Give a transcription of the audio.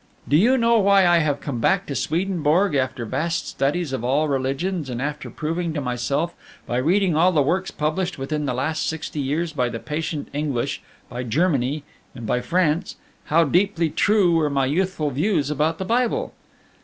"Do you know why I have come back to Swedenborg after vast studies of all religions, and after proving to myself, by reading all the works published within the last sixty years by the patient English, by Germany, and by France, how deeply true were my youthful views about the Bible?